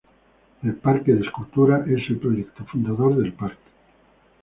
El Parque de Esculturas es el proyecto fundador del parque.